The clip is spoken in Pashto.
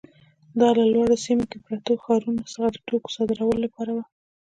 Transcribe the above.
دا له لوړو سیمو کې پرتو ښارونو څخه د توکو صادرولو لپاره وه.